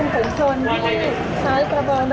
สวัสดีครับ